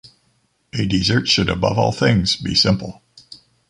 A dessert should above all things be simple.